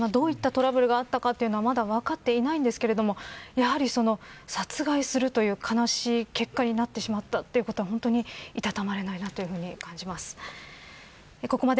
今回とどういったトラブルがあったのかというのはまだ分かっていないんですがやはり、殺害するという悲しい結果になってしまったのはいたたまれないというふうに感じます。